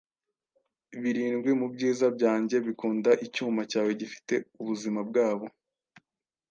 Birindwi mu byiza byanjye bikunda icyuma cyawe gifite ubuzima bwabo.